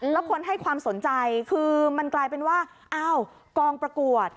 แล้วคนให้ความสนใจคือมันกลายเป็นว่าอ้าวกองประกวด